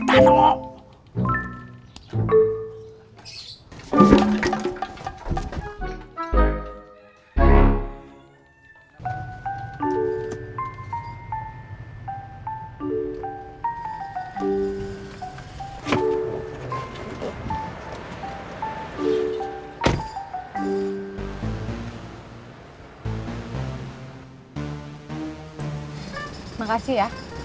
terima kasih ya